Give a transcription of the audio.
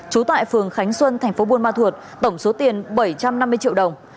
chú tại phường khánh xuân tp buôn ma thuột tổng số tiền bảy trăm năm mươi triệu đồng